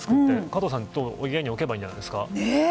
加藤さん、家に置けばいいんじゃないですか。